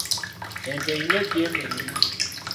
Ente eyina ejjembe limu.